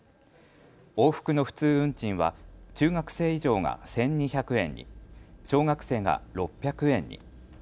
往復の普通運賃は中学生以上が１２００円に、小学生が６００円に。